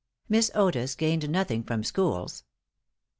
Miss Otis gained nothing from schools.